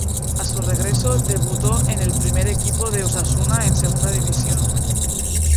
A su regreso, debutó en el primer equipo de Osasuna en Segunda División.